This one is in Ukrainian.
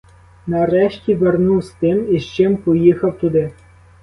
Нарешті вернув з тим, із чим поїхав туди.